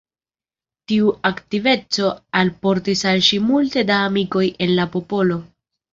Tiu aktiveco alportis al ŝi multe da amikoj en la popolo.